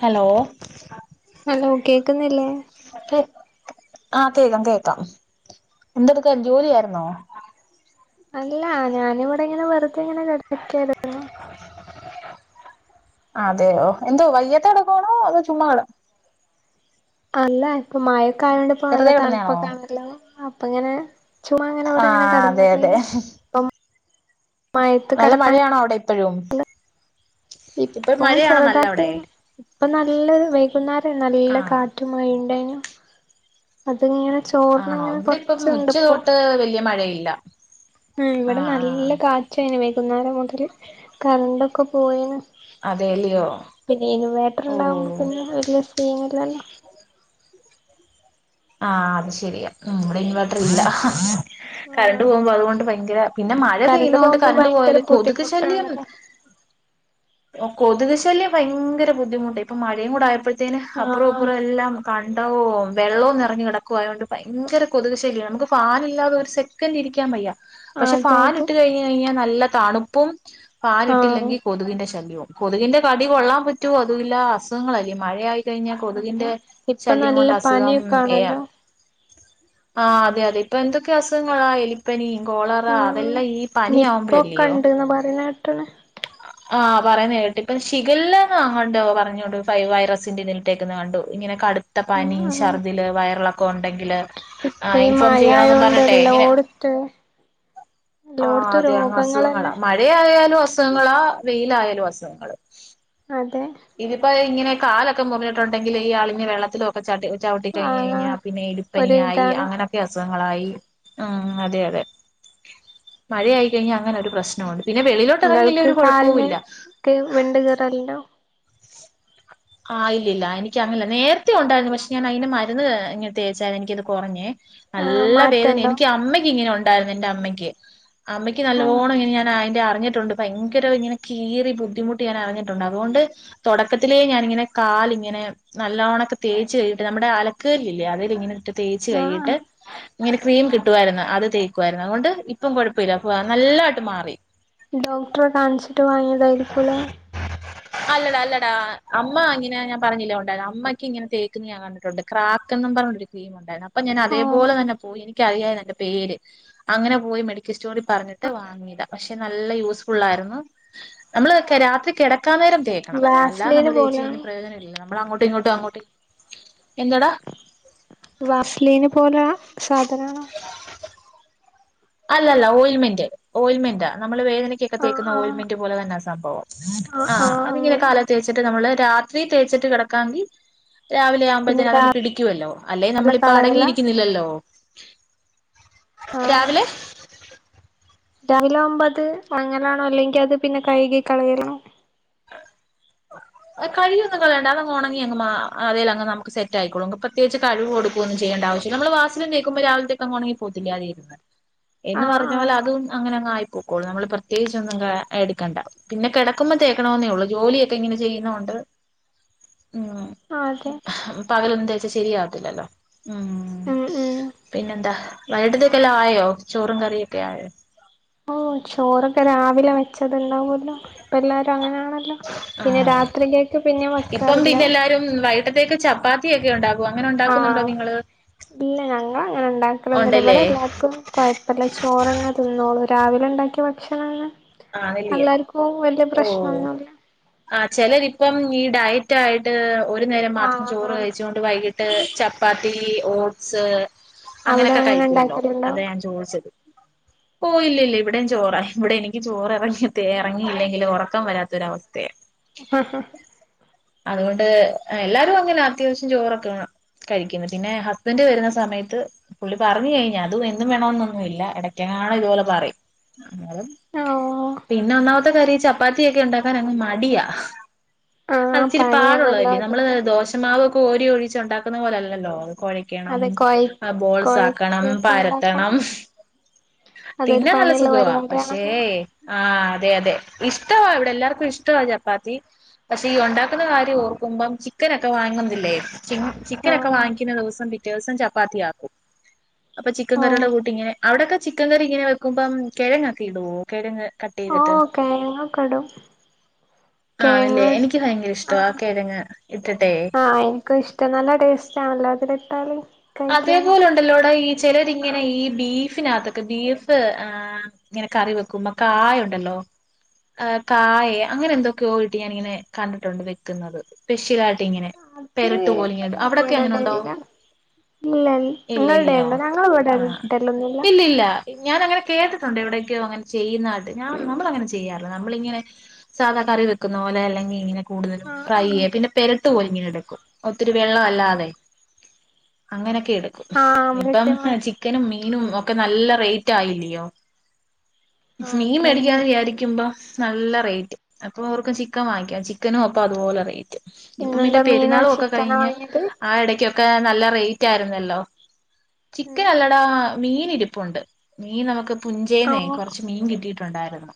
Hello hello കേക്കുന്നില്ലേ അക്കേ ആഹ് കേക്കാം കേക്കാം എന്തെടുക്കുവായിരുന്ന് ജോലിയായിരുന്നോ അല്ല ഞാനിവിടെ ഇങ്ങനെ വെറുതെ ഇങ്ങനെ കെടക്കായിരുന്നു അതെയോ എന്തോ വയ്യാത്തെ കെടക്കുവാണോ അതോ ചുമ്മാ കെട അല്ല ഇപ്പ മഴയൊക്കെ ആയോണ്ട് ഇപ്പ കെട നല്ല വെറുതെ കിടന്നയാണോ തണുപ്പൊക്കെ ആണല്ലോ അപ്പ ഇങ്ങനെ ചുമ്മ അങ്ങനെ ഇവിടിങ്ങനെ ആഹ് അതെ കെടന്നപ്പഴേ അതെ നല്ല കിടക്കാൻ മഴയാണോ അവിടെ ഇപ്പഴും ഇപ്പം ഇപ്പൊ മഴയാണോ നല്ല അവിടെ ചെറുതായിട്ടിങ്ങനെ ഇപ്പ നല്ലോരു വൈകുന്നേരം നല്ല ആഹ് കാറ്റും റ്റും മഴയുണ്ടായിനു അതിങ്ങനെ ചോർന്ന് ആണോ ഇങ്ങനെ ഇവിടെ ഇപ്പം ഉച്ച കൊറച്ചുണ്ടിപ്പോ തൊട്ട് വലിയ മഴയില്ല ഉം ഇവിടെ ആഹ് ആഹ് നല്ല കാറ്റായിന് വൈകുന്നേരം മുതല് കറണ്ടൊക്കെ പോയേന് അതെല്ലിയോ പിന്നെ ഇൻവേട്ടർ ഉണ്ടാവുമ്പോ ഓഹ് പിന്നെ വലിയ സീനില്ലല്ലോ ആഹ് അത് ശരിയാ ഉം ഇവിടെ ഇൻവേട്ടറില്ല കറണ്ട് ആഹ് പോകുമ്പോ അതുകൊണ്ട് ഭയങ്കര പിന്നെ ഉം മഴ കറണ്ട് പെയ്യുന്നോണ്ട് പോകുമ്പോ കറണ്ട് ഭയങ്കര പോയല് കൊതുക് ശല്യം ബുദ്ധിമുട്ടാണല്ലോ ഓ കൊതുക് ശല്യം ഭയങ്കെര ബുദ്ധിമുട്ട ഇപ്പൊ മഴയും കൂടെ ആയപ്പെത്തേന് അപ്പ്റോം ആഹ് ഇപ്പ്റോം എല്ലാം കണ്ടവോം വെള്ളോം നെർഞ് കെടക്കോയോണ്ട് ഭയങ്കര കൊതുക് ശല്ല്യണ് ന്നമുക്ക് ഫാനില്ലാതെ ഒരുസെക് ക്കെന്റ് ഇരിക്കാൻ വയ്യ. പക്ഷെ അതെ ഫാൻ അതെ ഇട്ട് കഴിഞ് കഴിഞ്ഞാൽ ന്നല്ലെ തണുപ്പും ഫാൻ ആഹ് ഇട്ടില്ലെങ്കിൽ കൊതുകിന്റെ ശ ശല്ലോം കൊതുകിന്റെ കടി കൊള്ളാൻ പറ്റോ അതുല്ല അസുഖങ്ങളല്ലേ മഴയായി കഴിഞ്ഞാ അതെ കൊതുകിന്റെ ഇപ്പൊ ശല്യം നല്ല കൊണ്ട് അസുഖം പനിയൊക്കെ ഏയാം ആണല്ലോ ആഹ് അതെയതെ ഇപ്പൊ എന്തൊക്കെ അസുഖങ്ങളാ എലി പ്പനി കോളറ അതെല്ലാം ഈ പനിയാമ്പോഴല്ലിയോ? ന്നപറീണെ ട്ട്ണ് ആഹ് പറയുന്ന കേട്ടു ഇപ്പം ശിഗെല്ലന്ന് അങ്ങാണ്ട് പറഞ്ഞോണ്ട് ഫൈ വൈറസിന്റെ ഇതില്ട്ടേക്കുന്നെ കണ്ടു ഇങ്ങനെ കട് ത്ത പനിം, ആഹ് ശർദില്, വയറിളക്കോ ഒണ്ടെങ്കില് ഇപ്പൊ ആഹ് ഈ ഇൻഫോം മഴ ചെയ്യണോന്നും ആയോണ്ട് പറഞ്ഞിട്ടെ ഇങ്ങനെ എല്ലോടത്ത് ആഹ് എല്ലോടത്തും അതെ അങ്ങസുഖങ്ങള രോഗങ്ങളന്നെ മഴ മഴ ആയാലും അസുഖങ്ങളാ വെയിലായാലും അസുഖങ്ങള് അതെ ഇതിപ്പോ ഇങ്ങനെ കാലൊക്കെ മുറിഞ്ഞിട്ടുണ്ടെങ്കില് ഈ അളിഞ്ഞ വെള്ളത്തിലോ ഒക്കെ ചൗട്ടി ചൗട്ടി ആഹ് കഴ്‌ഞ്ഞഴിഞ്ഞാ പിന്നെ ഒരു എലിപ്പനിയായി ഇതാണ് അങ്ങനെ അസുഖങ്ങളായി ഉം അതെ, അതെ മഴയായിക്കഴിഞ്ഞാ അങ്ങനെ ഒരു പ്രശ്നമുണ്ട്. പിന്നെ വെളീലോട്ട് എറങ്ങില്ലെ നിങ്ങൾക്ക് ഒരു കൊഴപ്പോം കാലിന് ഇല്ല. ക്ക് വിണ്ട് കീറെല്നോ ആഹ് ഇല്ലില്ല എനിക്ക് അങ്ങനില്ല നേര്ത്തെ ഒണ്ടായിരുന്നു പക്ഷെ ഞാൻ അയിന് മരുന്ന് ഇങ്ങനെ തേച്ചാരുന്നു എനിക്കത് കൊറഞ്ഞേ. ആഹ് നല്ല വേദനയ മാറ്റണ്ടോ എനിക്ക് അമ്മയ്ക്ക് ഇങ്ങനെ ഒണ്ടാരുന്നു എന്റമ്മയ്ക്ക് അമ്മയ്ക്ക് ആഹ് നല്ലോണം ഇങ്ങനെ ഞാൻ അയ്ന്റെ അറിഞ്ഞിട്ടുണ്ട് ഭയങ്കര ഇങ്ങനെ കീറി ബുദ്ധിമുട്ട് ഞാൻ അറിഞ്ഞിട്ടൊണ്ട് അതുകൊണ്ട് തൊടക്കത്തിലേ ഞാന് ങ്ങനെ കാല്ങ്ങനെ നല്ലോണക്ക് തേച്ച് കഴ്കീട്ട് നമ്മടെ അലക്ക് കല്ല്ല്ലേ അതേലിങ്ങനിട്ട് തേച്ച് കഴുകീട്ട് ആഹ് ഇങ്ങനെ ക്രീം കിട്ടുവാര്ന്ന് അത് തേക്കുവാര്ന്ന് അത്കൊണ്ട് ഇപ്പം കൊഴപ്പല്ല നല്ലായിട്ട് മാറി. ഡോക്ടറെ കാണിച്ചിട്ട് വാങ്ങിയതായിരിക്കുലെ? അല്ലെടാ, അല്ലെടാ അമ്മ ഇങ്ങനെ ഞാൻ പറഞ്ഞില്ലേ ഒണ്ടാര് അമ്മക്ക് ഇങ്ങനെ തേക്ക്ന്നെ ഞാൻ ക കണ്ടിട്ടുണ്ട് ക്രാക്ക് എന്നും പറഞ്ഞൊരു ക്രീം ഒണ്ടാരുന്നു അപ്പ ഞാൻ ആഹ് അതേപോലെ തന്നെ പോയി എനിക്കറിയാരുന്നയ്ന്റെ പേര് അങ്ങനെ പോയി മെഡിക്കൽ സ്റ്റോറി പറഞ്ഞിട്ട് വാങ്ങിയതാ പക്ഷെ നല്ല യൂസ്ഫുള്ളാരുന്നു. നമ്മള് കെ രാത്രി കെടക്കാൻ നേരം തേക്കണം അല്ലാ വാസ്ലീന് നമ്മള് തേച്ച് കഴിഞ്ഞാ പോലാണ് പ്രയോജനല്ലല്ലൊ നമ്മളങ്ങോ ട്ട് ഇങ്ങോട്ടുങ്ങോട്ട് എന്തെടാ? വാസ്ലീനെ പോലാ സാധനാണോ? അല്ലല്ല ഓയ്ൽമെന്റ് ഓയില്മെന്റ നമ്മള് വേദനക്കൊക്കെ ആഹ് തേക്കുന്ന ആഹ് ഓയ്ൽമെന്റ് പോലതന്നാ സംഭവം. ആഹ് അതിങ്ങന കാലേ തേച്ചിട്ട് നമ്മള് രാത്രി തേച്ചിട്ട് കെടക്കാങ്കി രാവി ലെ പിന്നെ ആമ്പഴത്തേന് അതങ് പിടിക്കുവല്ലോ അല്ലെ രാവിലെ നമ്മളിപ്പ കളയലാ അടങ്ങിയിരിക്കുന്നില്ലല്ലോ. രാവിലെ രാവിലാവുമ്പത് അങ്ങനാണോ അല്ലെങ്കി അത് പിന്നെ കഴ്കി കളയലോ? കഴികിയൊന്നും കളയണ്ട അതങ്ങ് ഒണങ്ങി അങ്ങ് മാ അതേലങ്ങ് ന്നമുക്ക് സെറ്റായിക്കോളും ഇപ്പത് പ്രത്യകിച്ച് കഴുകുവൊ ടുക്കൊന്നും ചെയ്യേണ്ട ആവശില്ല നമ്മള് വാസ്ലൈൻ തേക്കുമ്പോ രാവിലത്തേക്കങ്ങ് ഒണങ്ങി പോത്തില്ലെ അതേപോലെ എന്ന് ആഹ് പറഞ്ഞോലെ ആഹ് അതും അങ്ങനങ്ങായി പൊക്കോളും നമ്മള് പ്രത്യേകിച്ച് ഒന്നും കാ എടുക്കണ്ട പിന്നെ കെടക്കുമ്പോ തേക്കണൊന്നേ ഒള്ളൂ ജോലിയൊക്കെ ഇങ്ങനെ ചെയ്യ്ന്നോണ്ട് ഉം ആതെ പകലൊന്നും തേച്ചാ ശെരിയാവതില്ലല്ലോ ഉം പിന്നെന്താ? വൈകിട്ടത്തേക്കെല്ലാം ആയോ ചോറും കറിയൊക്കെ ആയോ? ഓഹ് ചോറൊക്കെ രാവിലെ വെച്ചെത് ഇണ്ടാവോലോ ഇപ്പല്ലാരും അങ്ങനെയാണല്ലോ? പിന്നെ രാത്രികെക്ക് പിന്നെ വെക്കാറില്ല. രും വൈയ്ട്ടതേക്ക് ചപ്പ് പാതിയെക്കെ ഒണ്ടാകും ആഹ് ഇല്ല ഞങ്ങള അങ്ങനെ ണ്ടാക്കലൊന്നുംല്ല ഉണ്ടല്ലേ വടെ എല്ലാർക്കും ക്കൊഴപ്പംല്ല ചോറന്നെ തിന്നോളും രാവിലെ ണ്ടാക്കിയ ഭക്ഷണം ന്നെ ആണല്ലേ എല്ലാര്ക്കും വല്യയ ഓഹ് പ്രശ്നൊന്നുംല്ല ആഹ് ചെലരിപ്പം ഈ ഡയറ്റ് ആയിട്ട് ഒരു നേരം മാത്രം ആഹ് ചോറ് ആഹ് കഴിച്ചോണ്ട് വൈകിട്ട് ചപ്പാത്തീ ഓട്സ് അവിടെ അങ്ങനെക്കെ അങ്ങനെ കഴിക്കുല്ലോ ഉണ്ടാക്കലുണ്ടോ അതാ ഞാൻ ചോയ്ച്ചത് ഓഹ് ഇല്ല ഇല്ല ഇവിടെം ചോറാ ഇവിടെ എനി ഈ ചോറ് എറങ്ങിത്തീ എറങ്ങിയില്ലങ്കില് ഉറക്കം വരാത്തൊരവസ്ഥെ ഹ ഹ്ഹാ അതുകൊണ്ട് എല്ലാരും അങ്ങനാ അത്യാവ്ശ്യം ചോറൊക്കെ വേണം കഴിക്കിന്ന് പിന്നെ ഹസ്ബൻഡ് വരുന്ന സമയത്ത് പുള്ളി പറഞ്ഞു കഴിഞ്ഞാ അതും എന്നും വേണോന്നൊന്നും ഇല്ല ഇടക്ക് ങ്ങാണോ ഇതുപോലെ പറയും എന്നാലും ആണോ പിന്നെ ഒന്നാംത്തെ കാര്യം ഈ ചപ്പാത്തിയെക്കെ ഉണ്ടാക്കാന അങ്ങ് മടിയാ ആഹ് അത്ച്ചിരി പണിയാണല്ലോ പാടുള്ളതല്ലേ നമ്മള് അതൊക്കെ ദോഷമാവ് കോരി ഒഴിച്ച് ഉണ്ടാക്കുന്ന പോലെല്ലല്ലോ അത് കൊഴ ക്കണം അത് കൊഴ ബോൾസ് ആക്കണം കൊഴച്ചൊക്കെ ഉണ്ടാക്കണം പരത്തണം അതൊരു തിന്നാൻ നല്ല പണിയുള്ള സുഖവാ പക്ഷേ പരിപാടിയാണല്ലോ ആഹ് അതെ അതെ ഇഷ്ടവാ ഇവിടെ എല്ലാർക്കും ഇഷ്ടവാ ചപ്പാത്തീ പക്ഷെ ഈ ഒണ്ടാക്കുന്ന കാര്യം ഓർക്കുമ്പം ചിക്കനൊക്കെ വായ്ങ്ങുന്നില്ലേ ചിം ചിക്കനൊക്കെ ആഹ് വാങ്ങിക്കുന്ന ദിവസം പിറ്റേസം ചപ്പാത്തിയാക്കും അപ്പൊ ചിക്കൻ ഓഹ് കറിയുടെ കൂട്ടിങ്ങെ അവ്ടെക്കെ ചിക്കൻ കറി ഇങ്ങനെ വെക്കുംമ്പം കിഴങ്ങക്കെ ഇടോ കിഴങ് ഓഹ് കെയങ്ങൊക്കെ ഇടും ആണല്ലേ കെയങ്ങ് എനിക്ക് ഭയങ്കര ഇഷ്ടവാ ആഹ് കിഴങ്ങ് ഇട്ടിട്ടെ ആഹ് ഇൻക്കും ഇഷ് റ്റാ നല്ല ടേസ്റ്റ് ആണല്ലോ അതില് ഇട്ടാല് അതേപോലെ ണ്ടല്ലോടാ ഈ ചെലൊരിങ്ങനെ ഈ ബീഫിനാത്തെക്കെ ബീഫ് ആഹ് ഇങ്ങനെ കറി വെക്കുമ്പം കായണ്ടോല്ലോ ആഹ് കായെ അങ്ങനെ എന്തൊക്കെയോയിട്ട് ഞാനിങ്ങനെ കൺണ്ട്ട്ടുണ്ട് വെയ്ക്ക്ന്നത് സ്പെഷ്യലായിട്ട് ഇങ്ങനെ അത് പെരട്ടു പോലെ ഇങ്ങനെ അവിടൊക്കെ അങ്ങനെ ഉണ്ടോ ഇല്ലൽ ങ്ങൾടെണ്ടോ ഞങ്ങള് വടെ ടല്ലൊന്നും ല്ലാ ഇല്ലാ ഞാന അങ്ങനെ കേട്ട്ട്ടൊണ്ട് എവിടേക്കെയോ അങ്ങൻ ചെയ്യുന്നായിട്ട് ഞാൻ നമ്മളങ്ങനെ ചെയ്യാർല്ലാ നമ്മളിങ്ങനെ സാധാ കറി വെക്ക്ന്ന പോലെ അല്ലെങ്കീ ഇങ്ങിനെ കൂടുതലും ആഹ് ഫ്രൈയ്യാ പിന്നെ പെരട്ട് പൊലിങ്ങനെ എടുക്കും ഒത്തിരി വെള്ളം അല്ലാതെ അങ്ങനെയെക്കെ എടുക്കും ആഹ് ഇപ്പം ഹ് കൃത്യമായി ചിക്ക ക്കനും മീനും ഒക്കെ നല്ല റേറ്റ് ആയില്ലിയോ ആഹ് മീൻ അതന്നെ മേടികിയാന്ന് വിയാര് ക്കുംമ്പം നല്ല റേറ്റ് അപ്പോർക്കും ചിക്കൻ വാങ്ങിക്കാ ചിക്കനും അപ്പ അതുപോലെ റേറ്റ് ഇപ്പം പിന്നെ ഇന്നെന്താ മീനാ പെര്ന്നാളും ഒക്കെ ചിക്കനാ കഴിഞ്ഞ് വാങ്ങിയത് ആ എടക്കാ ഒക്ക നല്ല റേറ്റ് ആയ്രുന്നല്ലോ ചിക്കന് അല്ലടാ മീനിരിപ്പുണ്ട് മീൻ നമക്ക് പുംഞ്ചേന്നെ ആഹ് കൊർച്ച് മീൻ കിട്ടീട്ടുണ്ടായിരുന്നു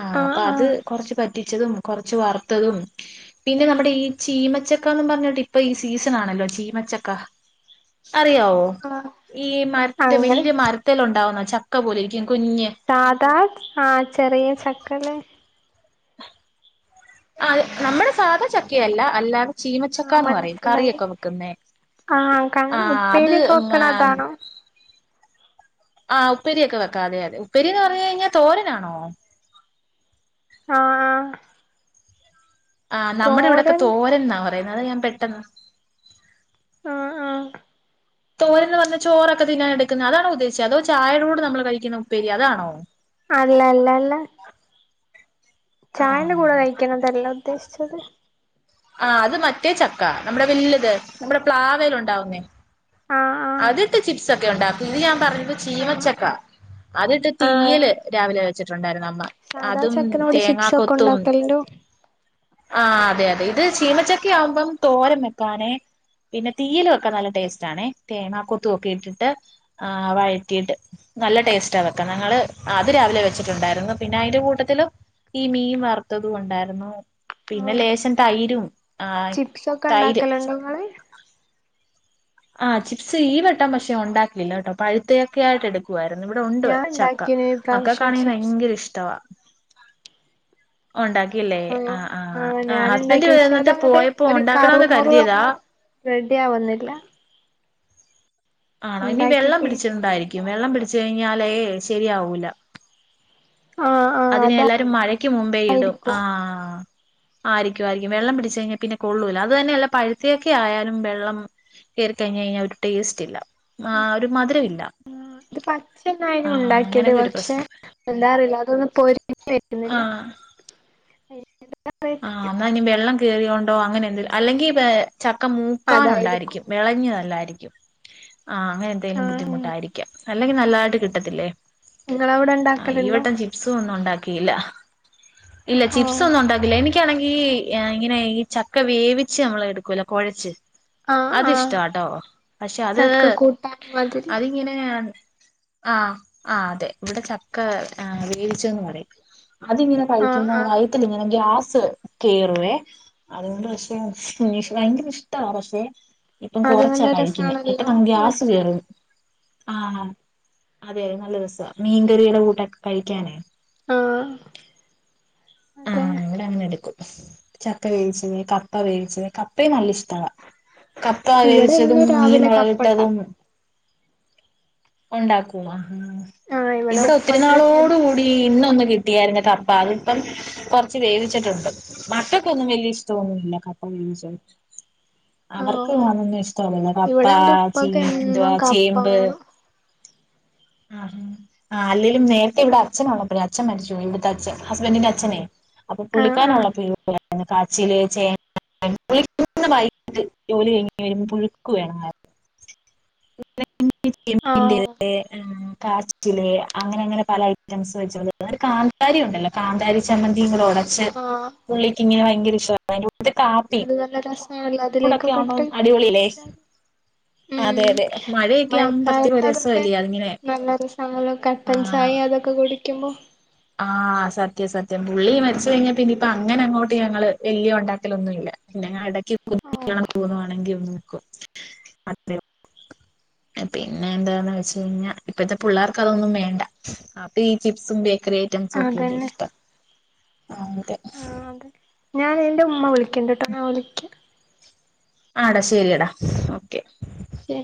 ആഹ് അപ്പാ അത് കൊറച്ച് വറ്റിച്ചതും കൊർച്ച് വർത്തതും പിന്നെ നമ്മടെ ഈ ചീമച്ചക്ക ന്നും പർഞ്ഞിട്ട് ഇപ്പൊ ഈ സീസ്സണാണല്ലോ ചീമച്ച ക്ക അറിയാവോ ആഹ് ഈ മരത്തി അങ്ങനെ വല്യ മരത്തി ത്തിലുണ്ടാവുന്നാ ചക്ക പോലെ ഇരിക്കും കുഞ്ഞ് സാധാ ആഹ് ചെറീയ ചക്ക ലെ ആഹ് നമ്മടെ സാധാ ചക്കെയല്ല അല്ലാതെ ആഹ് ചീമച്ചക്കാന്ന് പറയും മനസ്സിലായി കറിയൊക്കെ വെക്ക്ന്നേ ആഹ് കണ് ആഹ് അത് ഉപ്പേരിയൊക്കെ വെക്കണ മാം അതാണോ ആഹ് ഉപ്പെരിയെക്കെ വെക്കാം അതെ അതെ ഉപ്പരി എന്ന് പർഞ് കഴിഞ്ഞാ തോരനാണോ ആഹ് ആഹ് ആഹ് നമ്മടെ ഇവിടെക്കെ തോരൻ തോരൻന്നാ പറയാ അതാ ഞാൻ പെട്ടെന്ന് ആഹ് ആഹ് തോരൻന്ന് പറഞ്ഞ് ചോറൊക്കെ തിന്നാനെടുക്കുന്ന അതാണോ ഉദ്ദേശിച്ചേ അതോ ചായേരൂട നമ്മള് കഴിക്കുന്ന ഉപ്പേരി അതാണോ അല്ല അല്ല അല്ല ആ ചായന്റെ കൂടെ കഴിക്കണതല്ല ഉദ്ദേശിച്ചത് ആഹ് അത് മറ്റേ ചക്ക നമ്മുടെ വല്ലുത് നമ്മുടെ പ്ലാവേൽ ഉണ്ടാവുന്നേ ആഹ് അതിട്ട് ചിപ്സ് ഒക്കെ ഒണ്ടാക്കും ഇത് ഞാൻ പറഞ്ഞത് ആഹ് ആഹ് ചീമച്ചക്ക അതിട്ട് ആഹ് തീയല് രാവിലെ വെച്ചിട്ടുണ്ടായിരുന്നു അമ്മ സാധാ അതും ചക്കനോട് തേങ്ങാ ചിപ്സ് ഒക്കെ കൊത്തും ഉണ്ടാക്കലുണ്ടോ ആഹ് അതെ അതെ ഇത് ചീമച്ചക്കയാവുമ്പം തോരം വെക്കാനെ പിന്നെ തീയല് വക്കാൻ നല്ല ടേസ്റ്റാണെ തേങ്ങാ കൊത്തുവൊക്കെ ഇട്ടിട്ട് ആഹ് വഴറ്റിയിട്ട് നല്ല ടേസ്റ്റ് ആ വെക്കാൻ ഞങ്ങള് അത് രാവിലെ വെച്ചിട്ടുണ്ടായിരുന്നു പിന്നെ അതിന്റെ കൂട്ടത്തിലും ഈ മീൻ വറുത്തതും ഉണ്ടായിരുന്നു പിന്നെ ആഹ് ലേശം തൈരും ആഹ് ചിപ്സ് ഒക്കെ തൈര് ഉണ്ടാക്കലുണ്ടോ ഇങ്ങള് ആഹ് ചിപ്സ് ഈ വട്ടം പക്ഷെ ഒണ്ടാക്കീല കേട്ടോ പഴുത്തയൊക്കെ ആയിട്ടെടു എടുക്കുവാരുന്നു ഇവിടെ ഉണ്ട് ഞാൻ ചക്ക ഉണ്ടാക്കീന് ഇപ്രാവശ്യം മക്കക്കാണെങ്കി ചിപ്സ് ഭയങ്കര ഇഷ്ടവാ ഉണ്ടാക്കിയില്ലേ ആഹ് ആഹ് ഹസ്ബൻഡ് ഞാനിണ്ടാക്കി പക്ഷേ വന്നിട്ട് അതങ്ങട്ട് പോയപ്പോ ഒരു ഉണ്ടാക്കണന്ന് കറുമുറു അങ്ങെ കരുതിയതാ റെഡ്യാവുന്നില്ല ആണോ ഇനി വെള്ളം ഉണ്ടാക്കിട്ട് പിടിച്ചിട്ടുണ്ടായിരിക്കും വെള്ളം പിടിച്ച് കഴിഞ്ഞാലേ ശരിയാവൂല ആഹ് ആഹ് അതിനെ എല്ലാരും മഴയ്ക്ക് മുമ്പേ ഇടും അതായിരിക്കും ആഹ് ആയിരിക്കും ആയിരിക്കും വെള്ളം പിടിച്ച് കഴിഞ്ഞാ പിന്നെ കൊള്ളൂല അത് തന്നെയല്ല പഴുത്തയൊക്കൊയായാലും വെള്ളം കേറിക്കഴിഞ്ഞ് കഴിഞ്ഞാ ഒരു ടേസ്റ്റ് ഇല്ല ആഹ് ഒരു മധുരം ഇല്ല ഇത് പച്ചക്കാന്നെ ആഹ് ഉണ്ടാക്കിയത് അങ്ങനെയൊക്കെ ഒരു പക്ഷെ പ്രശ്നം എന്താറിയില്ല അതൊന്ന് പൊരി [unintelligible] വരുന്നില്ല ആഹ് [unintelligible] ആഹ് എന്നാനി വെള്ളം കയറിയോണ്ടോ അങ്ങനെ എന്തേലും അല്ലെങ്കി ചക്ക അതായിരിക്കും മൂക്കാനൊണ്ടായിരിക്കും വിളഞ്ഞതല്ലായിരിക്കും ആഹ് അങ്ങനെ എന്തെങ്കിലും ആഹ് ബുദ്ധിമുട്ടായിരിക്കാം അല്ലെങ്കി നല്ലതായിട്ട് കിട്ടത്തില്ലേ നിങ്ങളവിടെ ആഹ് ഉണ്ടാക്കലുണ്ടോ ഈവട്ടം ചിപ് ചിപ്സ് ഒന്നും ഒണ്ടാക്കിയില്ല ഇല്ല ഓ ചിപ്സ് ഒന്നും ഒണ്ടാക്കില എനിക്കാണെങ്കി ഈ ഇങ്ങനെ ഈ ചക്ക വേവിച്ച് നമ്മളെടുക്കുവല്ലോ കൊഴച്ച് ആഹ് ആഹ് അത്ഷ്ടട്ടോ പക്ഷെ അത് ചക്ക കൂട്ടാൻ മാതിരി അതിങ്ങനെ ആഹ് ആഹ് അതെ ഇവിടെ ചക്ക വേവിച്ചന്ന് പറയും അതിങ്ങനെ ആഹ് കഴിക്കുമ്പോ ആഹ് വയറ്റിലിങ്ങനെ ഗ്യാസ് കേറുവേ അതുകൊണ്ട് പക്ഷെ ഭയങ്കര ഇഷ്ടമാണ് പക്ഷെ ഇപ്പം അത് കൊറച്ചാ നല്ല കഴിക്കുന്നെ രസാണല്ലോ പെട്ടന്നങ്ങ് ഗ്യാസ് വെച്ചാല് കേറും ആഹ് അതെ നല്ല രസാ മീൻകറിയുടെ കൂട്ടൊക്കെ കഴിക്കാനേ ആഹ് അതെ ഇവിട അങ്ങനെ എടുക്കും ചക്ക വേവിച്ചത് കപ്പ വേവിച്ചത് കപ്പയും നല്ല ഇഷ്ടവാ കപ്പാ ഇവിടെ വേവിച്ചതും എന്നും മീൻ രാവിലെ കപ്പ മൊളകിട്ടതും ഉണ്ടാക്കും ഒണ്ടാക്കും ആഹ് ആഹ് ഇവിടെ ഒത്തിരി ഉപ്പാക്ക് നാളോട് എന്നും കൂ ടി ഇന്ന് ഒന്നു കിട്ടിയായിരുന്നു കപ്പ അതിപ്പം കുറച്ച് വേവിച്ചിട്ടുണ്ട് മക്കക്കൊന്നും ഒന്നും വലിയ ഇഷ്ടൊന്നുമില്ല കപ്പ വേവിച്ചത് അവർക്ക് ആഹ് മോനൊന്നും ഇഷ്ടല്ല കപ്പ ഇവിടെ എന്റെ ഉപ്പാക്ക് ചീനി എന്തുവാ എന്നും കപ്പ ചേമ്പ് വേണം ആഹ് ആ അല്ലേലും നേര്ത്തെ ഇവട അച്ഛന് ഉള്ളപ്പഴേ അച്ഛൻ മരിച്ചു പോയി ഇവിടുത്തെ അച്ഛൻ ഹസ്ബൻഡിന്റെ അച്ഛനെ അപ്പൊ ആഹ് പുള്ളിക്കാന് ആഹ് ഉള്ളപ്പയെ [unintelligible] കാച്ചില് ചേ [unintelligible] ജോലി കഴിഞ്ഞ് വരുമ്പോ പുഴുക്ക് വേണമാര്ന്നു ആഹ് [unintelligible] കാച്ചില് അങ്ങനെ അങ്ങനെ പല ഐറ്റംസ് വെച് [unintelligible] കാന്താരി ഉണ്ടല്ലോ കാന്താരി ചമ്മന്തി ഇങ്ങള് ഒടച്ച് ആഹ് പുള്ളിക്ക് ഇങ്ങനെ ഭയങ്കര ഇഷ്ടവ അയിന്റെ കൂട്ടത്തി കാ ത്തി അത് നല്ല രസാണല്ലോ അവ്ടൊക്കെ അതിലേക്കൊക്കെ ആവുമ്പോ ഇട്ട് അടിപൊളിയല്ലേ കഴിച്ചാല് അതെ ഉം അതെ മഴക്കെ ആവുമ്പത്തിന് ഒരു മഴക്കാലത്ത് രസ അതൊക്കെ അല്ലേ അങ്ങനെ നല്ല രസാണല്ലോ കട്ടൻ ചായ അതൊക്ക കുടിക്കുമ്പോ ആ സത്യം സത്യം പുള്ളി മരിച്ച കഴിഞ്ഞാ പിന്നെ ഇപ്പ അങ്ങനെ അങ്ങോട്ട് ഞങ്ങള് വല്യ ഉണ്ടാക്കലൊന്നുല്ല, പിന്നെ എടക്ക് ആഹ് [unintelligible] തോന്നുവാണെങ്കി നോക്കും അത്രെ പിന്നെ എന്താന്ന്‌ വെച്ച് കഴിഞ്ഞാ ഇപ്പത്തെ പുള്ളേർക്ക് അതൊന്നും വേണ്ട, അപ്പ ഈ ചിപ്സും ബേക്കറി ഐറ്റംസും ഒക്കെന്റെ അതന്നെ ഇഷ്ട, ആ അതെ ഞാന് എന്റെ ഉമ്മ വിളിക്ക്ണ്ട്ട്ടോ ഞാ വിളിക്ക്യ ആട ശെരിയെടാ ഓക്കെ, ശെ